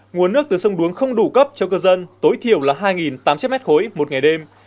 nguồn nước từ sông đuống không đủ cấp cho cư dân tối thiểu là hai tám trăm linh m ba một ngày đêm